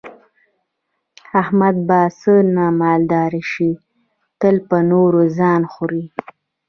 احمد به په څه مالدار شي، تل په نورو ځان خوري.